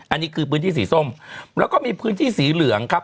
อันนี้คือพื้นที่สีส้มแล้วก็มีพื้นที่สีเหลืองครับ